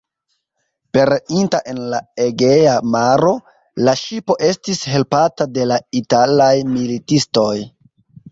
Pereinta en la Egea maro, la ŝipo estis helpata de la italaj militistoj.